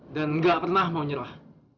dan gak pernah mau nyerah